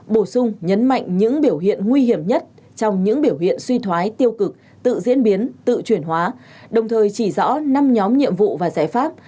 bổ sung nhấn mạnh những biểu hiện nguy hiểm nhất trong những biểu hiện suy thoái tiêu cực tự diễn biến tự chuyển hóa đồng thời chỉ rõ năm nhóm nhiệm vụ và giải pháp